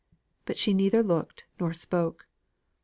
But she neither looked nor spoke.